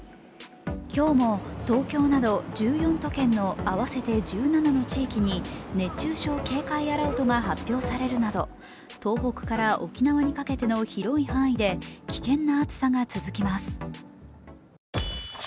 今日も東京など１４都県の合わせて１７の地域に熱中症警戒アラートが発表されるなど東北から沖縄にかけての広い範囲で危険な暑さが続きます。